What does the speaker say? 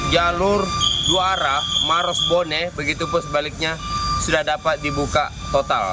jalur dua arah maros boneh begitu pun sebaliknya sudah dapat dibuat